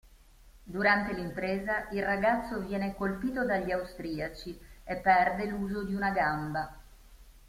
Durante l'impresa il ragazzo viene colpito dagli Austriaci e perde l'uso di una gamba.